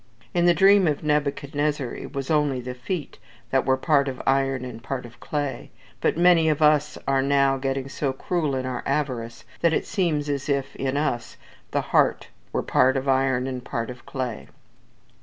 In the dream of Nebuchadnezzar it was only the feet that were part of iron and part of clay; but many of us are now getting so cruel in our avarice, that it seems as if, in us, the heart were part of iron, and part of clay.